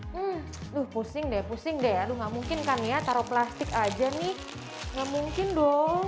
hai tuh pusing deh pusing deh aduh nggak mungkin kan ya taruh plastik aja nih nggak mungkin dong